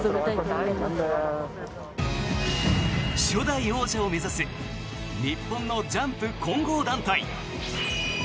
初代王者を目指す日本のジャンプ混合団体。